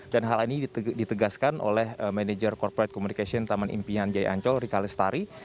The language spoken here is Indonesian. dan hal ini ditegaskan oleh manager corporate communication taman impian jaya ancol rika lestari